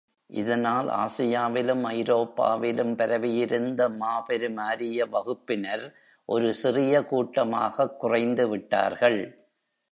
இதனால் ஆசியாவிலும் ஐரோப்பாவிலும் பரவியிருந்த மாபெரும் ஆரிய வகுப்பினர் ஒரு சிறிய கூட்டமாகக் குறைந்து விட்டார்கள்.